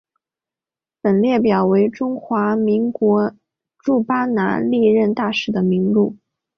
本列表为中华民国驻巴拿马历任大使的名录。